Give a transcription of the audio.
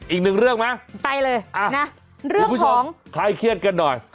อีกหนึ่งเรื่องไหมไปเลยอ่ะนะเรื่องของคุณผู้ชมใครเครียดกันหน่อย